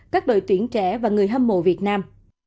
các đội tuyển trẻ và người hâm mộ việt nam